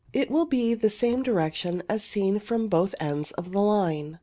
It will be in the same direction as seen from both ends of the line.